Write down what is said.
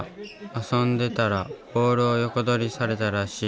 遊んでたらボールを横取りされたらしい。